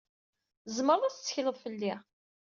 Tzemreḍ ad tettekleḍ fell-i.